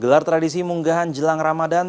gelar tradisi munggahan jelang ramadan